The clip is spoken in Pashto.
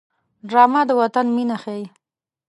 ډرامه د وطن مینه ښيي